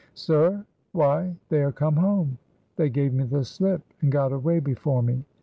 "Sir! Why, they are come home. They gave me the slip, and got away before me.